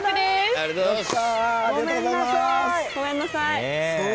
ありがとうございます！